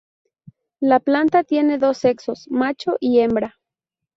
La planta tiene dos sexos: macho y hembra.